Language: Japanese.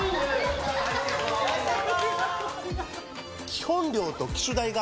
基本料と機種代が